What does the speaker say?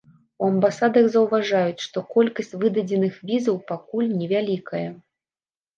У амбасадах заўважаюць, што колькасць выдадзеных візаў пакуль невялікая.